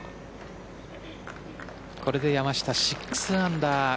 これで山下、６アンダー。